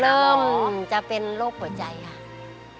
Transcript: เริ่มจะเป็นโรคหัวใจค่ะ